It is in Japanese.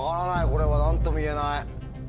これは何とも言えない。